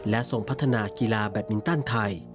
และทรงพัฒนากีฬาแบตมินตันไทย